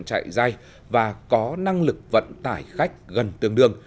chạy dài và có năng lực vận tải khách gần tương đương